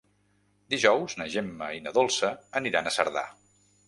Dijous na Gemma i na Dolça aniran a Cerdà.